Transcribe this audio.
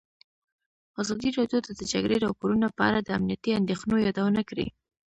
ازادي راډیو د د جګړې راپورونه په اړه د امنیتي اندېښنو یادونه کړې.